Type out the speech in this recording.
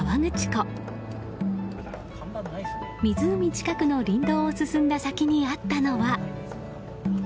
湖近くの林道を進んだ先にあったのは。